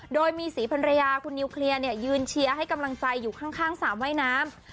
โดยมีศรีพันรยาคุณนิวเคลียร์ยืนเชียร์ให้กำลังใจอยู่ข้างสามว่ายน้ำ